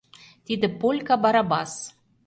Тиде полька Барабас.